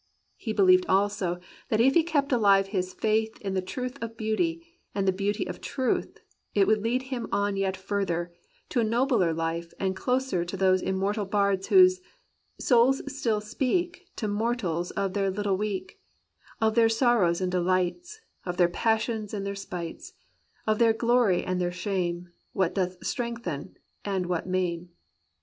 He believed also that if he kept aHve his faith in the truth of beauty and the beauty of truth it would lead him on yet further, into a nobler hfe and closer to those immortal bards whose "Souls still speak To mortals of their Httle week; Of their sorrows and delights; Of their passions and their spites; Of their glory and their shame; What doth strengthen and what maim."